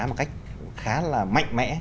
một cách khá là mạnh mẽ